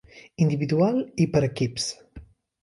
Individual i Per equips.